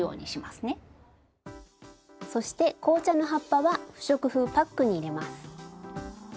スタジオそして紅茶の葉っぱは不織布パックに入れます。